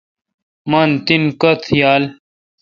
من تینہ کتہ یال۔